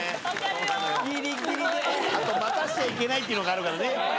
あと待たせちゃいけないっていうのがあるからね。